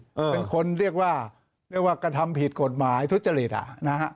เป็นคนเรียกว่าเรียกว่ากระทำผิดกฎหมายทุจริตอ่ะนะฮะ